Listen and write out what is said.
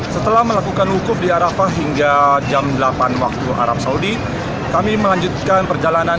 setelah melakukan wukuf di arafah hingga jam delapan waktu arab saudi kami melanjutkan perjalanan